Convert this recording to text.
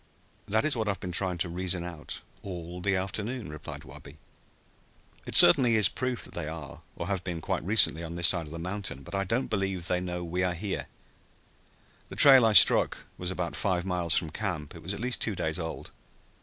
"That is what I have been trying to reason out all the afternoon," replied Wabi. "It certainly is proof that they are, or have been quite recently, on this side of the mountain. But I don't believe they know we are here. The trail I struck was about five miles from camp. It was at least two days old.